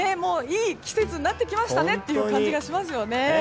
いい季節になってきましたねという感じがしますよね。